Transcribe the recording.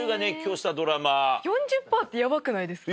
４０％ってヤバくないですか？